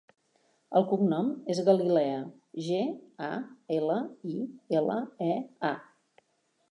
El cognom és Galilea: ge, a, ela, i, ela, e, a.